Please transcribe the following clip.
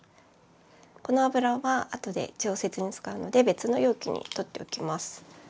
この油はあとで調節に使うので別の容器に取っておきます。